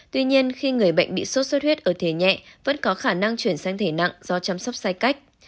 tuy nhiên khi người bệnh bị sốt xuất huyết ở thể nhẹ vẫn có khả năng chuyển sang thể nặng do chăm sóc sai cách